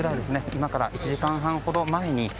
今から１時間半ほど前に。